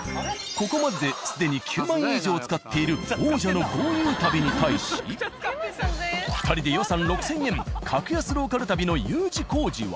ここまでで既に９０，０００円以上使っている王者の豪遊旅に対し２人で予算６，０００円格安ローカル旅のＵ字工事は。